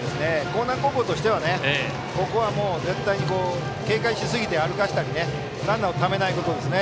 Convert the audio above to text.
興南高校としてはここは絶対に警戒しすぎて歩かせたりランナーをためないことですね。